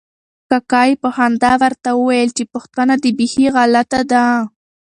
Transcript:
کاکا یې په خندا ورته وویل چې پوښتنه دې بیخي غلطه ده.